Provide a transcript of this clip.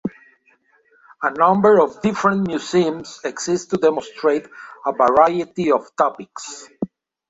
A number of different museums exist to demonstrate a variety of topics.